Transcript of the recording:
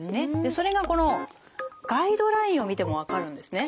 それがこのガイドラインを見ても分かるんですね。